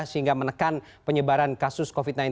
sehingga menekan penyebaran kasus covid sembilan belas